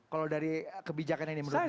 kalau dari kebijakan ini menurut anda